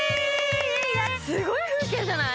すごい風景じゃない？